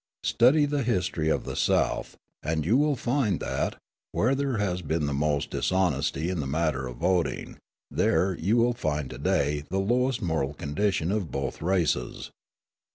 Study the history of the South, and you will find that, where there has been the most dishonesty in the matter of voting, there you will find to day the lowest moral condition of both races.